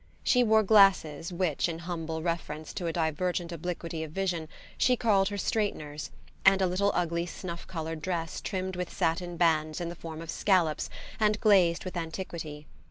She wore glasses which, in humble reference to a divergent obliquity of vision, she called her straighteners, and a little ugly snuff coloured dress trimmed with satin bands in the form of scallops and glazed with antiquity.